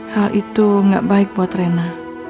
hal itu nggak baik buat rina